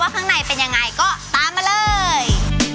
ข้างในเป็นยังไงก็ตามมาเลย